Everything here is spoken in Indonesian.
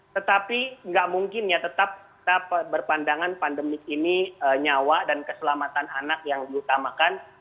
tetapi nggak mungkin ya tetap kita berpandangan pandemik ini nyawa dan keselamatan anak yang diutamakan